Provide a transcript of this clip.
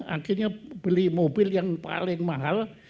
akhirnya beli mobil yang paling mahal